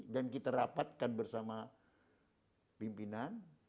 dan kita rapatkan bersama pimpinan